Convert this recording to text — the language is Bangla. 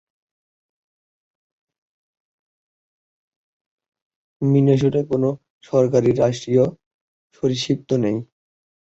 মিনেসোটায় কোন সরকারী রাষ্ট্রীয় সরীসৃপ নেই।